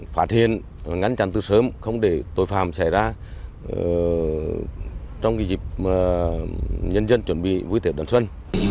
phát hiện ngăn chặn từ sớm không để tội phạm xảy ra trong dịp nhân dân chuẩn bị vui tiệc đón xuân